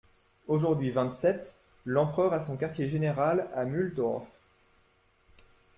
Aujourd'hui vingt-sept, l'empereur a son quartier-général à Mulhdorf.